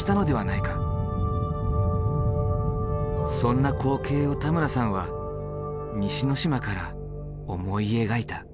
そんな光景を田村さんは西之島から思い描いた。